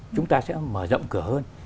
chúng ta sẽ mở rộng cửa hơn